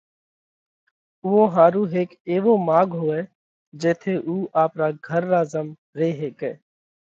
اُوئون ۿارُو هيڪ ايوو ماڳ هوئہ جيٿئہ اُو آپرا گھر را زم ري هيڪئہ